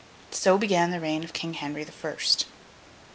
So began the reign of King Henry the First.